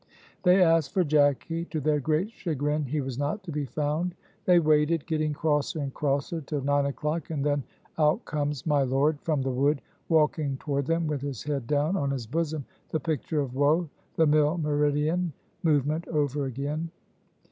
They asked for Jacky. To their great chagrin he was not to be found. They waited, getting crosser and crosser, till nine o'clock, and then out comes my lord from the wood, walking toward them with his head down on his bosom, the picture of woe the milmeridien movement over again.